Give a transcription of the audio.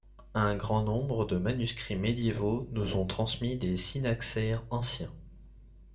Un grand nombre de manuscrits médiévaux nous ont transmis des synaxaires anciens.